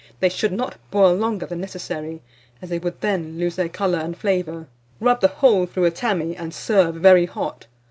They should not boil longer than necessary, as they would then lose their colour and flavour. Rub the whole through a tammy, and serve very hot.